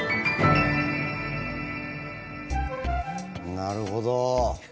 なるほど。